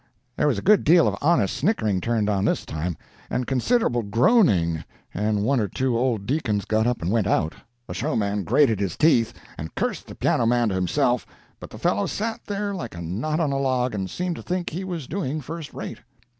"There was a good deal of honest snickering turned on this time, and considerable groaning, and one or two old deacons got up and went out. The showman grated his teeth, and cursed the piano man to himself; but the fellow sat there like a knot on a log, and seemed to think he was doing first rate.